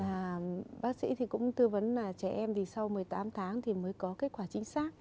và bác sĩ thì cũng tư vấn là trẻ em thì sau một mươi tám tháng thì mới có kết quả chính xác